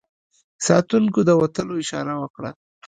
ساتونکو د وتلو اشاره وکړه.